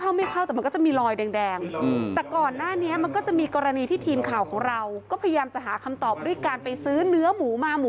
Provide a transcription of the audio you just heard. วันอาจารย์เปลี่ยวบอกโอ๊ยคลินทุบเปล่าเลย